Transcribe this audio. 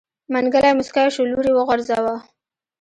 منګلی موسکی شو لور يې وغورځوه.